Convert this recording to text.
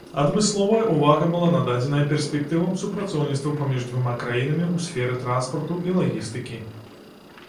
Адмысловая ўвага была нададзеная перспектывам супрацоўніцтва паміж дзвюма краінамі ў сферы транспарту і лагістыкі.